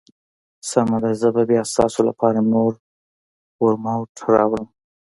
سمه ده، زه به بیا ستاسو لپاره نور ورماوټ راوړم.